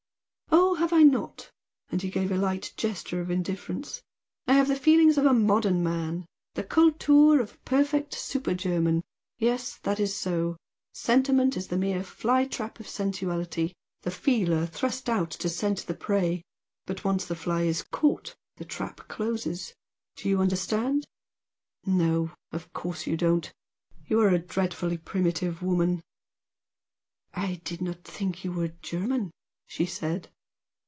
"Oh, have I not!" and he gave a light gesture of indifference "I have the feelings of a modern man, the 'Kultur' of a perfect super German! Yes, that is so! Sentiment is the mere fly trap of sensuality the feeler thrust out to scent the prey, but once the fly is caught, the trap closes. Do you understand? No, of course you don't! You are a dreadfully primitive woman!" "I did not think you were German," she said.